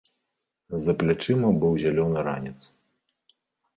За плячыма быў зялёны ранец.